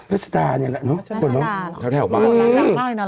ราชดาเนี่ยแหละเนาะ